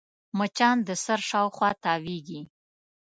مچان د سر شاوخوا تاوېږي